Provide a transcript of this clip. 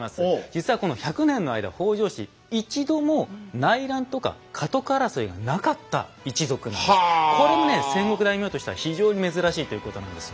実はこの１００年の間北条氏これもね戦国大名としては非常に珍しいということなんですよ。